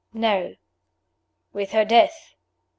"No." "With her death?"